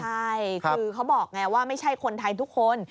ใช่คือเขาบอกไงว่าไม่ใช่คนไทยทุกคน